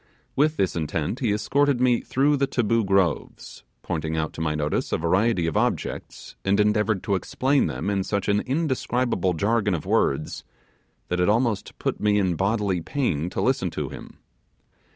With this intent, he escorted me through the Taboo Groves, pointing out to my notice a variety of objects, and endeavoured to explain them in such an indescribable jargon of words, that it almost put me in bodily pain to listen to him.